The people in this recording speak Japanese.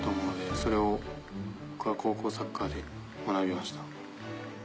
それを僕は高校サッカーで学びました。